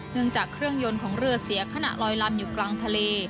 จากเครื่องยนต์ของเรือเสียขณะลอยลำอยู่กลางทะเล